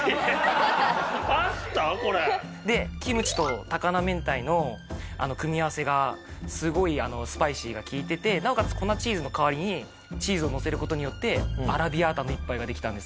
でキムチと高菜明太の組み合わせがすごいスパイシーが利いててなおかつ粉チーズの代わりにチーズをのせる事によってアラビアータの一杯ができたんですよ。